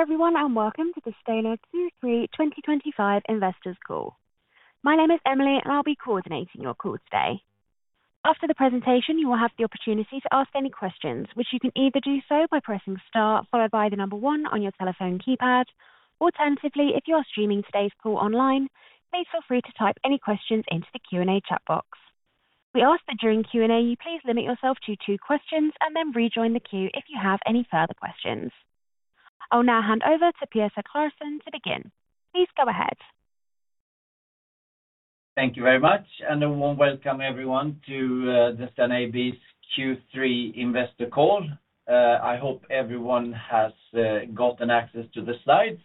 Hello everyone and Welcome to the Stena Q3 2025 Investors Call. My name is Emily and I'll be coordinating your call today. After the presentation, you will have the opportunity to ask any questions, which you can either do so by pressing star followed by the number one on your telephone keypad. Alternatively, if you are streaming today's call online, please feel free to type any questions into the Q&A chat box. We ask that during Q&A you please limit yourself to two questions and then rejoin the queue if you have any further questions. I'll now hand over to Peter Claesson to begin. Please go ahead. Thank you very much and a Warm welcome everyone to Stena AB's Q3 Investor Call. I hope everyone has gotten access to the slides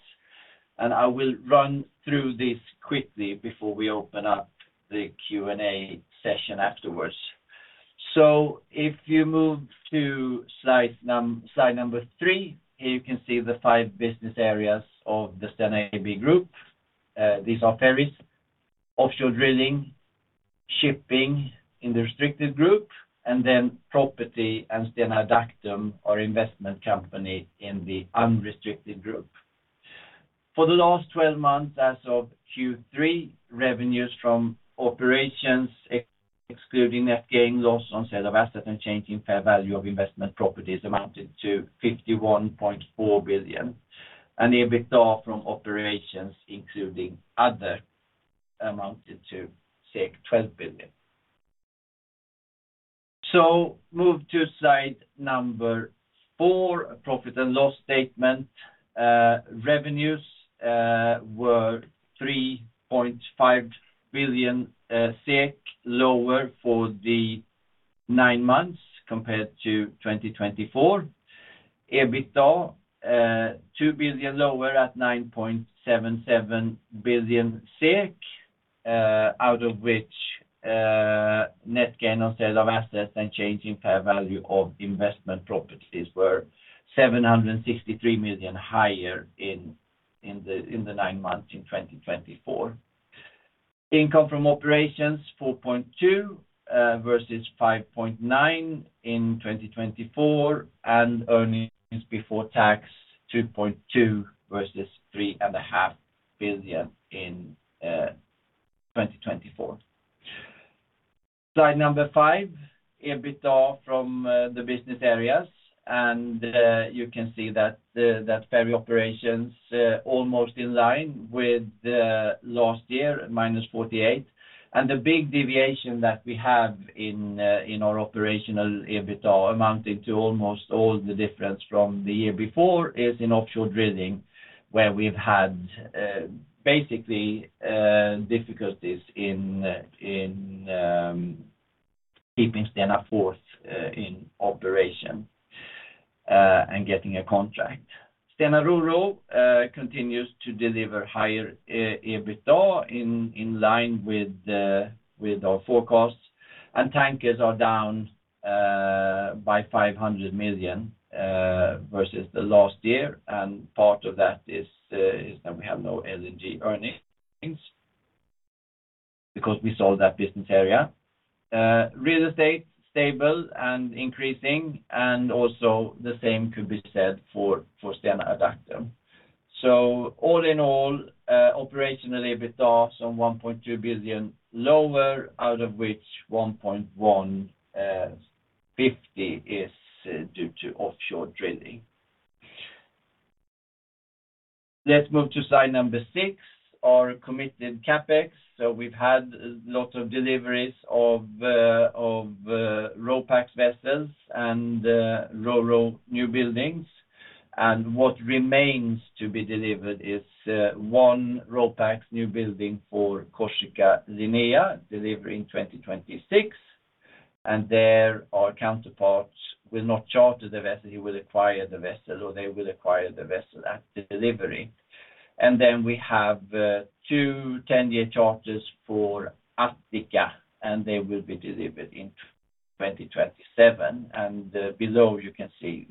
and I will run through this quickly before we open up the Q&A session afterwards. If you move to slide number three, here you can see the five business areas of the Stena AB Group. These are ferries, offshore drilling, shipping in the restricted group, and then property and Stena Adactum or investment company in the unrestricted group. For the last 12 months as of Q3, revenues from operations, excluding net gain loss on sale of asset and change in fair value of investment properties, amounted to 51.4 billion, and EBITDA from operations, including other, amounted to 12 billion. Move to slide number four, profit and loss statement. Revenues were 3.5 billion SEK lower for the nine months compared to 2024. EBITDA 2 billion lower at 9.77 billion, out of which net gain on sale of assets and change in fair value of investment properties were 763 million higher in the nine months in 2024. Income from operations 4.2 billion versus 5.9 billion in 2024, and earnings before tax 2.2 billion versus 3.5 billion in 2024. Slide number five, EBITDA from the business areas, and you can see that ferry operations almost in line with last year, minus 48 million. The big deviation that we have in our operational EBITDA amounting to almost all the difference from the year before is in offshore drilling, where we've had basically difficulties in keeping Stena Forth in operation and getting a contract. Stena RoRo continues to deliver higher EBITDA in line with our forecasts, and tankers are down by 500 million versus last year. Part of that is that we `have no LNG earnings because we sold that business area. Real estate stable and increasing, and also the same could be said for Stena Adactum. All in all, operational EBITDA some 1.2 billion lower, out of which 1.150 billion is due to offshore drilling. Let's move to slide number six, our committed CapEx. We've had a lot of deliveries of RoPax vessels and RoRo new buildings, and what remains to be delivered is one RoPax new building for Corsica Linéa delivery in 2026. Their counterparts will not charter the vessel, they will acquire the vessel at delivery. We have two 10-year charters for Attica, and they will be delivered in 2027. Below you can see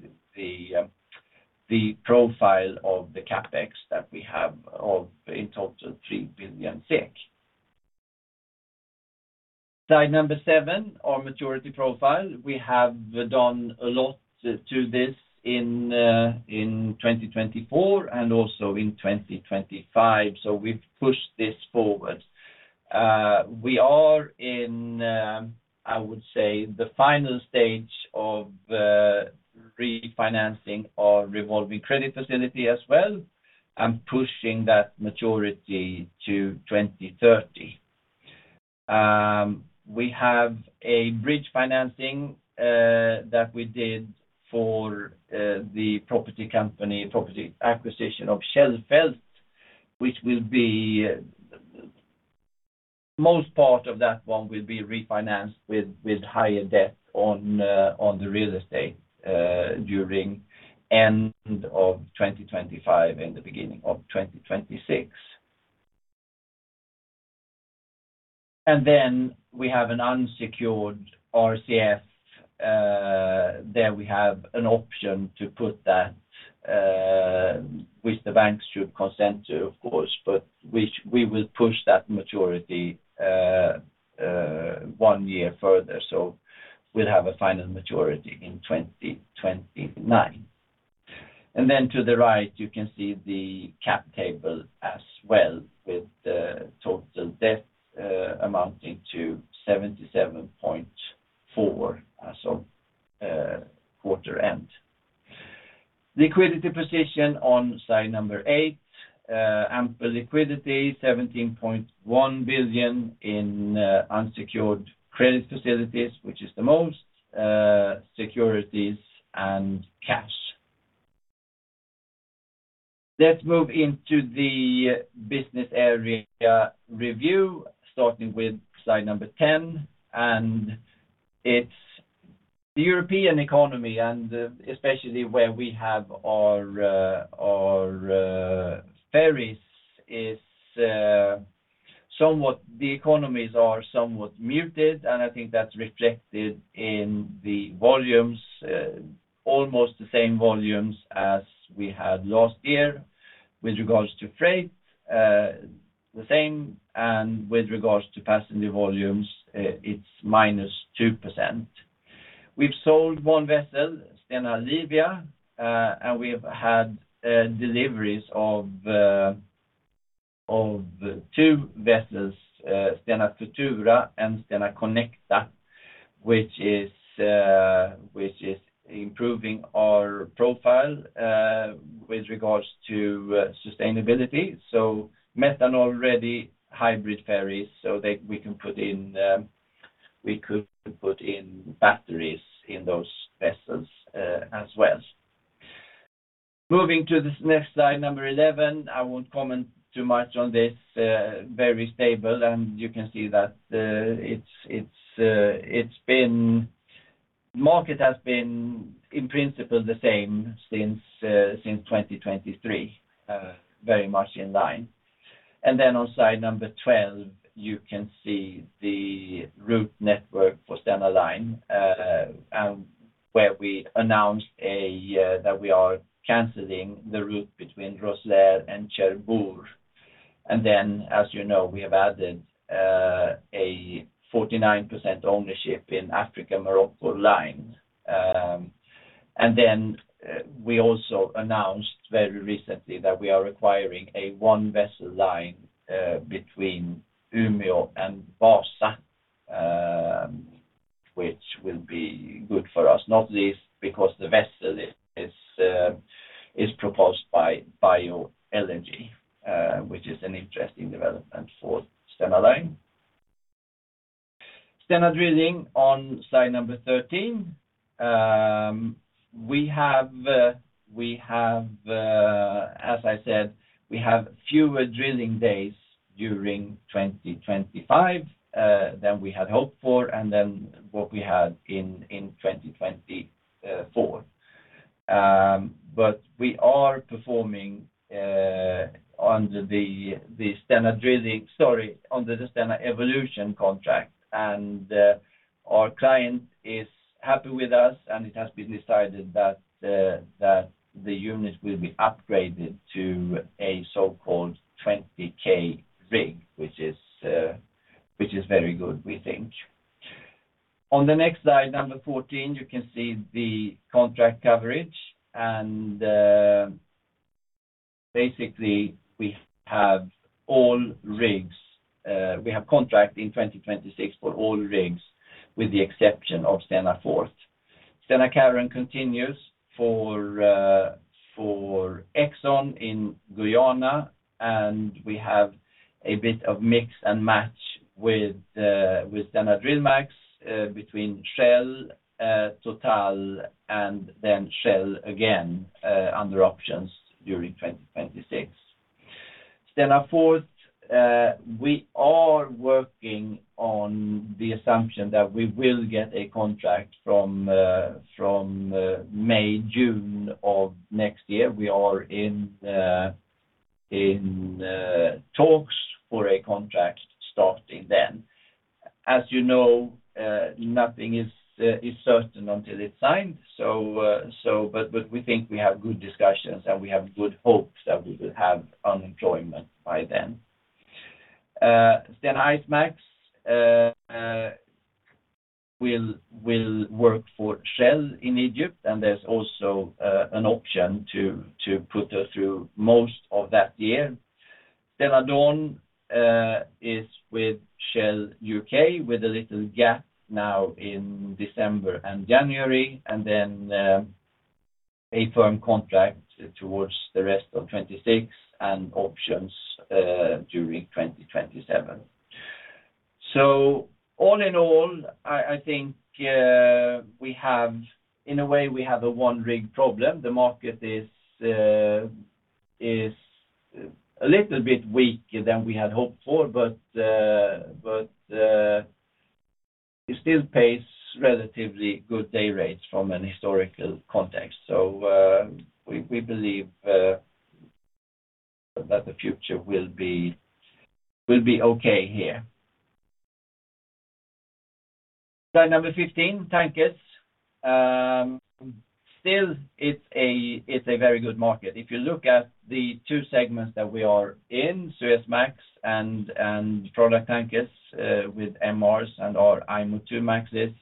the profile of the CapEx that we have of in total 3 billion. Slide number seven, our maturity profile. We have done a lot to this in 2024 and also in 2025, so we've pushed this forward. We are in, I would say, the final stage of refinancing our revolving credit facility as well and pushing that maturity to 2030. We have a bridge financing that we did for the property company property acquisition of Skellefteå, which will be most part of that one will be refinanced with higher debt on the real estate during end of 2025 and the beginning of 2026. We have an unsecured RCF there we have an option to put that which the banks should consent to, of course, but we will push that maturity one year further. We will have a final maturity in 2029. To the right you can see the cap table as well with total debt amounting to 77.4 billion as of quarter end. Liquidity position on slide number eight, ample liquidity, 17.1 billion in unsecured credit facilities, which is the most, securities and cash. Let's move into the business area review starting with slide number 10. The European economy, and especially where we have our ferries, is somewhat muted, and I think that's reflected in the volumes, almost the same volumes as we had last year with regards to freight, the same, and with regards to passenger volumes it's -2%. We've sold one vessel, Stena Livia, and we've had deliveries of two vessels, Stena Futura and Stena Connecta, which is improving our profile with regards to sustainability. Methanol-ready hybrid ferries so that we can put in, we could put in batteries in those vessels as well. Moving to this next slide, number 11, I will not comment too much on this. V ery stable, and you can see that the market has been in principle the same since 2023, very much in line. On slide number 12, you can see the route network for Stena Line and where we announced that we are cancelling the route between Rosslare and Cherbourg. As you know, we have added a 49% ownership in Africa Morocco Line. We also announced very recently that we are acquiring a Wasaline between Umeå and Vaasa, which will be good for us, not least because the vessel is proposed by bio-LNG, which is an interesting development for Stena Line. Stena Drilling on slide number 13. We have, as I said, we have fewer drilling days during 2025 than we had hoped for and than what we had in 2024. We are performing under the Stena Drilling, sorry, under the Stena Evolution contract, and our client is happy with us and it has been decided that the unit will be upgraded to a so-called 20K rig, which is very good we think. On the next slide number 14 you can see the contract coverage and basically we have all rigs, we have contract in 2026 for all rigs with the exception of Stena Forth. Stena Carron continues for Exxon in Guyana and we have a bit of mix and match with Stena Drillmax between Shell, Total, and then Shell again under options during 2026. Stena Forth, we are working on the assumption that we will get a contract from May, June of next year. We are in talks for a contract starting then. As you know, nothing is certain until it's signed, but we think we have good discussions and we have good hopes that we will have unemployment by then. Stena IceMAX will work for Shell in Egypt and there's also an option to put us through most of that year. Stena Dawn is with Shell U.K. with a little gap now in December and January, and then a firm contract towards the rest of 2026 and options during 2027. All in all, I think we have in a way we have a one-rig problem. The market is a little bit weaker than we had hoped for, but it still pays relatively good day rates from a historical context. We believe that the future will be okay here. Slide number 15, tankers. Still, it's a very good market. If you look at the two segments that we are in, Suezmax and product tankers with MRs and our IMOIIMAX,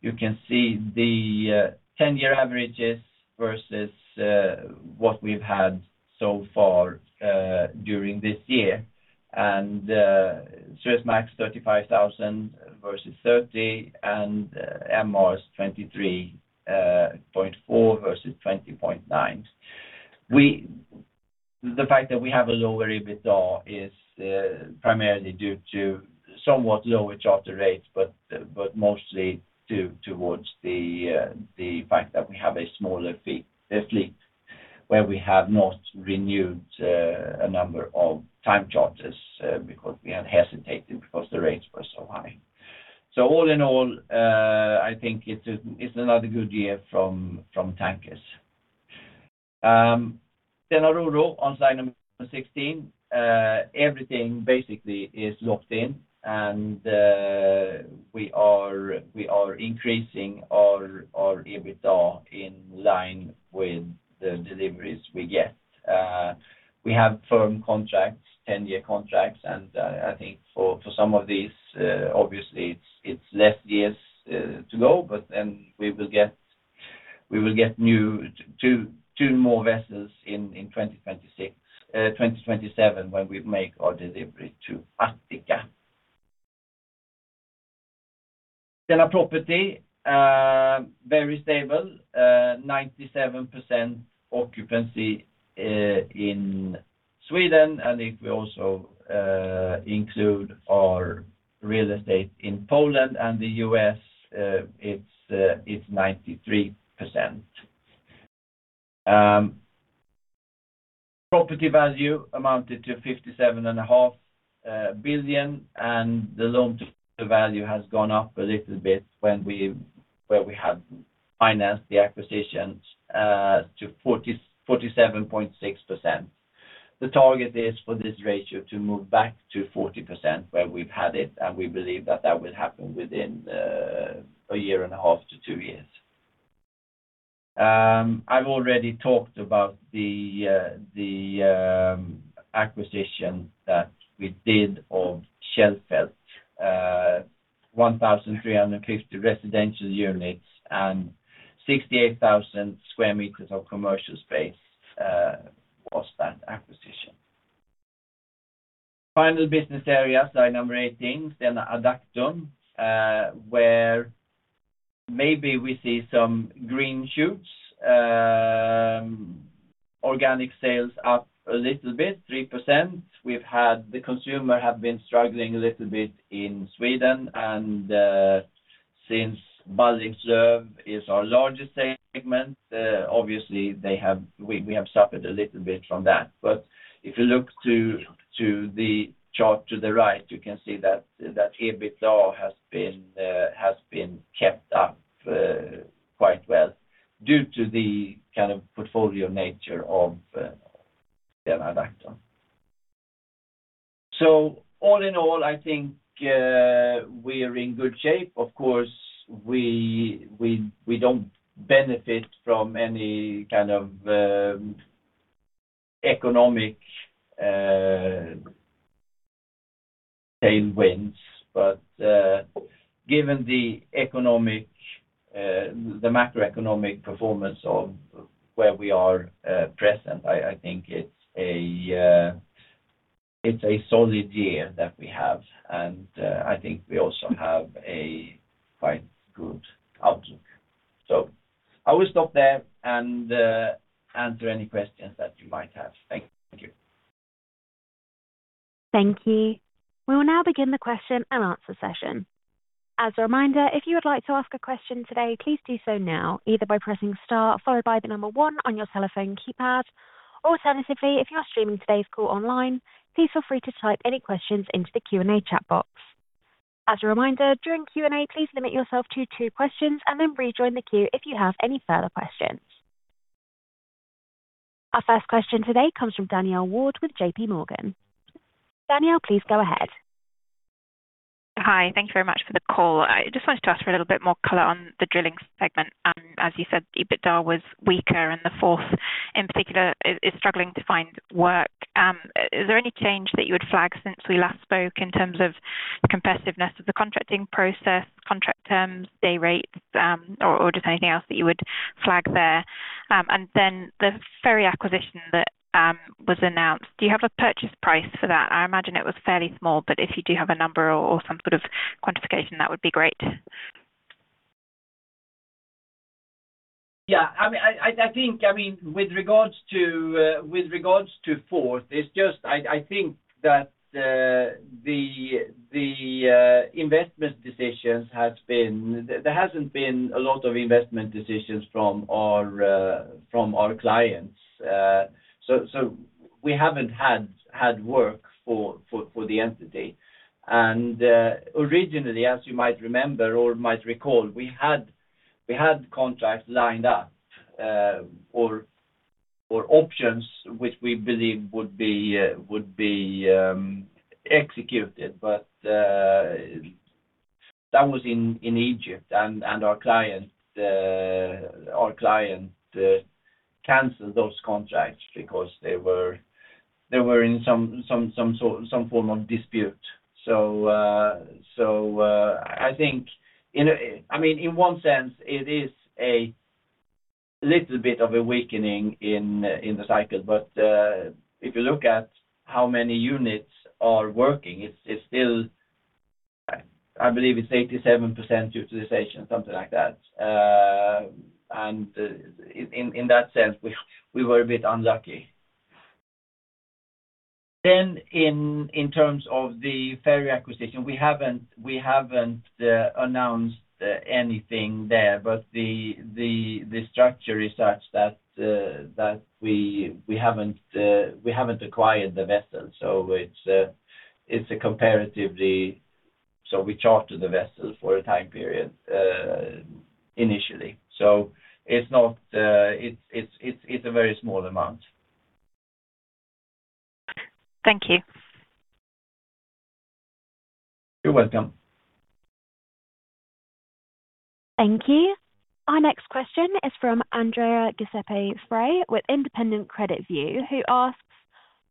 you can see the 10-year averages versus what we've had so far during this year. Suezmax $35,000 versus $30,000 and MRs $23,400 versus $20,900. The fact that we have a lower EBITDA is primarily due to somewhat lower charter rates, but mostly towards the fact that we have a smaller fleet where we have not renewed a number of time charters because we had hesitated because the rates were so high. All in all, I think it's another good year from tankers. Stena RoRo on slide number 16, everything basically is locked in and we are increasing our EBITDA in line with the deliveries we get. We have firm contracts, 10-year contracts, and I think for some of these, obviously it's less years to go, but then we will get two more vessels in 2027 when we make our delivery to Attica. Stena Property, very stable, 97% occupancy in Sweden, and if we also include our real estate in Poland and the U.S., it's 93%. Property value amounted to 57.5 billion, and the loan-to-value has gone up a little bit when we had financed the acquisitions to 47.6%. The target is for this ratio to move back to 40% where we've had it, and we believe that that will happen within a year and a half to two years. I've already talked about the acquisition that we did of Skellefteå, 1,350 residential units and 68,000 sq m of commercial space was that acquisition. Final business area, slide number 18, Stena Adactum, where maybe we see some green shoots, organic sales up a little bit, 3%. We've had the consumer have been struggling a little bit in Sweden, and since Baldwinslöv is our largest segment, obviously we have suffered a little bit from that. If you look to the chart to the right, you can see that EBITDA has been kept up quite well due to the kind of portfolio nature of Stena Adactum. All in all, I think we are in good shape. Of course, we don't benefit from any kind of economic tailwinds, but given the macroeconomic performance of where we are present, I think it's a solid year that we have, and I think we also have a quite good outlook. I will stop there and answer any questions that you might have. Thank you. Thank you. We will now begin the question and answer session. As a reminder, if you would like to ask a question today, please do so now either by pressing star followed by the number one on your telephone keypad. Alternatively, if you are streaming today's call online, please feel free to type any questions into the Q&A chat box. As a reminder, during Q&A, please limit yourself to two questions and then rejoin the queue if you have any further questions. Our first question today comes from Danielle Ward with JPMorgan. Danielle, please go ahead. Hi, thank you very much for the call. I just wanted to ask for a little bit more color on the drilling segment, and as you said, EBITDA was weaker and the Forth in particular is struggling to find work. Is there any change that you would flag since we last spoke in terms of the competitiveness of the contracting process, contract terms, day rates, or just anything else that you would flag there? The ferry acquisition that was announced, do you have a purchase price for that? I imagine it was fairly small, but if you do have a number or some sort of quantification, that would be great. Yeah, I mean, I think, I mean, with regards to Forth, it's just I think that the investment decisions has been there hasn't been a lot of investment decisions from our clients. So we haven't had work for the entity. Originally, as you might remember or might recall, we had contracts lined up or options which we believe would be executed, but that was in Egypt, and our client canceled those contracts because they were in some form of dispute. I think, I mean, in one sense, it is a little bit of a weakening in the cycle, but if you look at how many units are working, it's still, I believe it's 87% utilization, something like that. In that sense, we were a bit unlucky. In terms of the ferry acquisition, we haven't announced anything there, but the structure is such that we haven't acquired the vessel. Comparatively, we chartered the vessel for a time period initially. It's a very small amount. Thank you. You're welcome. Thank you. Our next question is from Andrea Giuseppe Frey with Independent Credit View, who asks,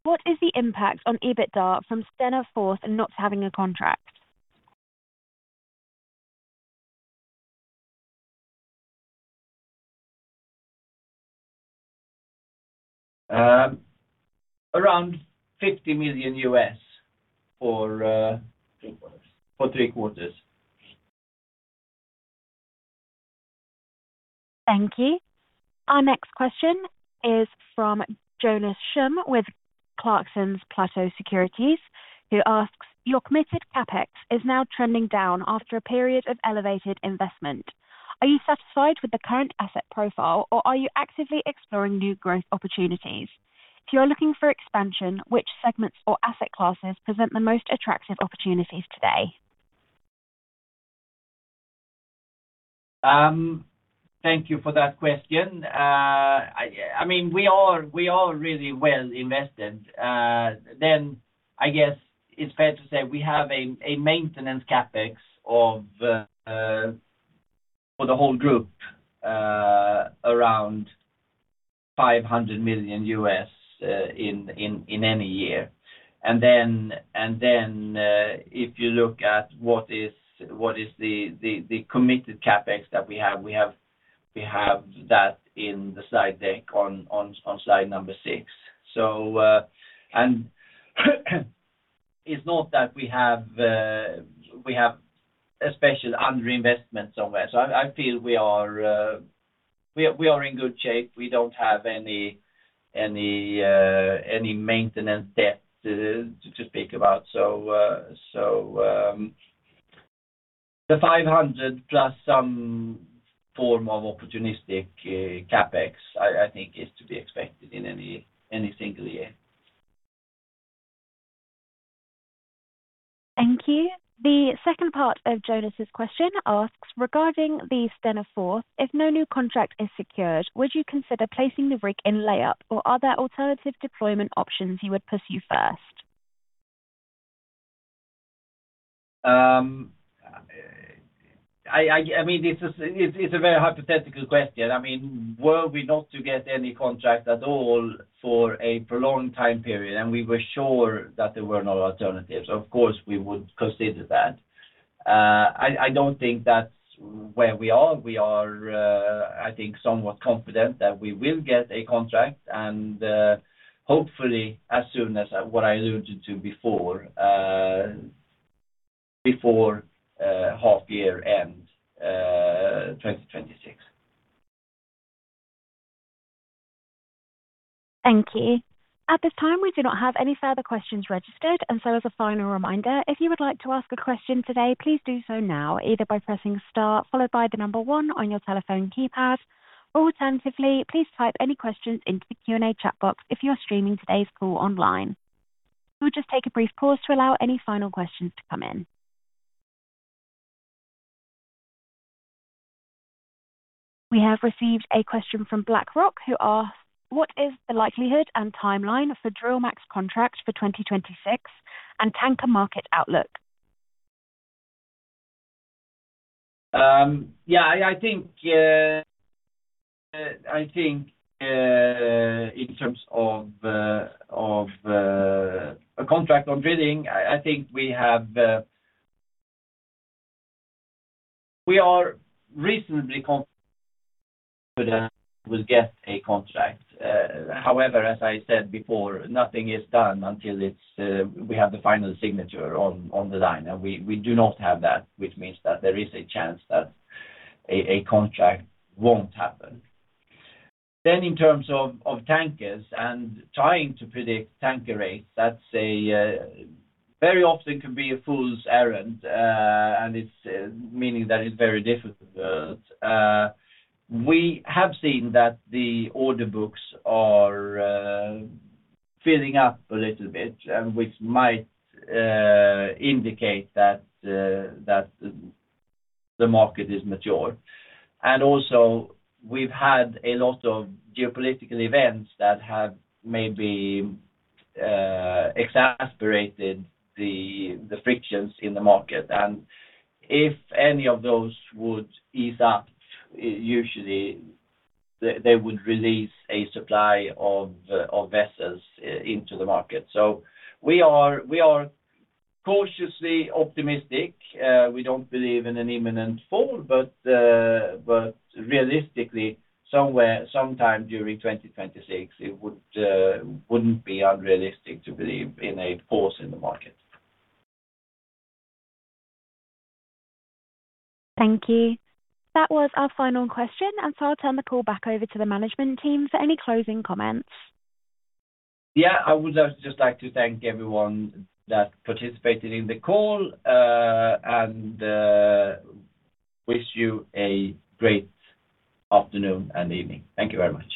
what is the impact on EBITDA from Stena Forth and not having a contract? Around $50 million for three quarters. Thank you. Our next question is from Jonas Shum with Clarksons Platou Securities, who asks, your committed CapEx is now trending down after a period of elevated investment. Are you satisfied with the current asset profile, or are you actively exploring new growth opportunities? If you are looking for expansion, which segments or asset classes present the most attractive opportunities today? Thank you for that question. I mean, we are really well invested. I guess it's fair to say we have a maintenance CapEx for the whole group around $500 million in any year. If you look at what is the committed CapEx that we have, we have that in the slide deck on slide number six. It is not that we have a special under-investment somewhere. I feel we are in good shape. We do not have any maintenance debt to speak about. The $500 million+ some form of opportunistic CapEx, I think, is to be expected in any single year. Thank you. The second part of Jonas's question asks, regarding the Stena Forth, if no new contract is secured, would you consider placing the rig in layup, or are there alternative deployment options you would pursue first? I mean, it is a very hypothetical question. I mean, were we not to get any contract at all for a prolonged time period, and we were sure that there were no alternatives, of course, we would consider that. I don't think that's where we are. We are, I think, somewhat confident that we will get a contract, and hopefully as soon as what I alluded to before, half-year end 2026. Thank you. At this time, we do not have any further questions registered. As a final reminder, if you would like to ask a question today, please do so now, either by pressing star followed by the number one on your telephone keypad, or alternatively, please type any questions into the Q&A chat box if you are streaming today's call online. We'll just take a brief pause to allow any final questions to come in. We have received a question from BlackRock, who asks, what is the likelihood and timeline for Drillmax contract for 2026 and tanker market outlook? Yeah, I think in terms of a contract on drilling, I think we are reasonably confident we'll get a contract. However, as I said before, nothing is done until we have the final signature on the line. We do not have that, which means that there is a chance that a contract won't happen. In terms of tankers and trying to predict tanker rates, that very often can be a fool's errand, meaning that it's very difficult. We have seen that the order books are filling up a little bit, which might indicate that the market is mature. Also, we've had a lot of geopolitical events that have maybe exacerbated the frictions in the market. If any of those would ease up, usually they would release a supply of vessels into the market. We are cautiously optimistic. We don't believe in an imminent fall, but realistically, somewhere sometime during 2026, it wouldn't be unrealistic to believe in a pause in the market. Thank you. That was our final question, and so I'll turn the call back over to the management team for any closing comments. Yeah, I would just like to thank everyone that participated in the call and wish you a great afternoon and evening. Thank you very much.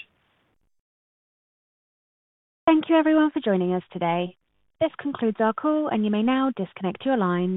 Thank you, everyone, for joining us today. This concludes our call, and you may now disconnect your line.